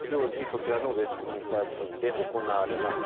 こちらのウェストミンスター寺院で行われます。